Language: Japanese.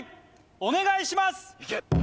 お願いします